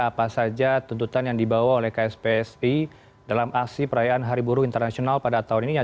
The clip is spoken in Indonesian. apa saja tuntutan yang dibawa oleh kspsi dalam aksi perayaan hari buruh internasional pada tahun ini